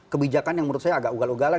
kebijakan yang menurut saya agak ugal ugalan